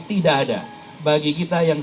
tidak ada bagi kita yang